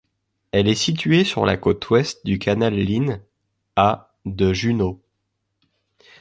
Elle est située sur la côte ouest du canal Lynn, à de Juneau.